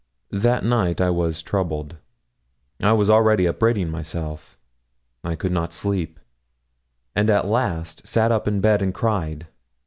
That night I was troubled. I was already upbraiding myself. I could not sleep, and at last sat up in bed, and cried.